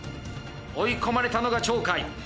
追い込まれたのが鳥海。